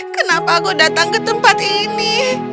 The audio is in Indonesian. kenapa aku datang ke tempat ini